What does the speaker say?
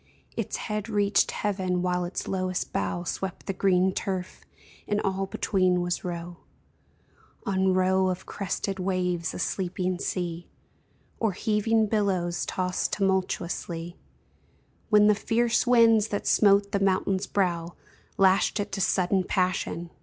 Its head reached heaven, while its lowest bough Swept the green turf, and all between was row On row of crested waves — a sleeping sea — Or heaving billows tossed tumultuously, When the fierce winds that smote the mountain's brow Lashed it to sudden passion.